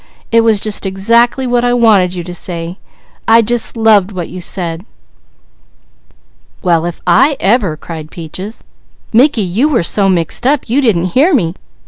It was just exactly what I wanted you to say. I just loved what you said." "Well if I ever!" cried Peaches. "Mickey, you was so mixed up you didn't hear me.